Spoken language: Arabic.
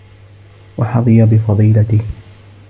وَحَظِيَ بِفَضِيلَتِهِ